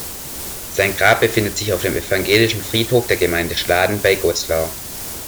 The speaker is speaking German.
Sein Grab befindet sich auf dem evangelischen Friedhof der Gemeinde Schladen bei Goslar.